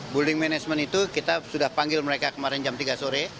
building management itu kita sudah panggil mereka kemarin jam tiga sore